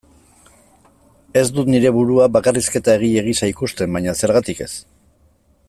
Ez dut nire burua bakarrizketa-egile gisa ikusten, baina zergatik ez?